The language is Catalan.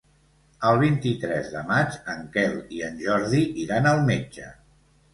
El vint-i-tres de maig en Quel i en Jordi iran al metge.